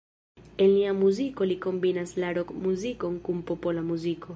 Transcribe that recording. En lia muziko li kombinas la rok-muzikon kun popola muziko.